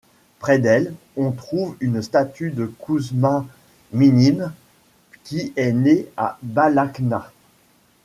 Près d'elle on trouve une statue de Kouzma Minine, qui est né à Balakhna.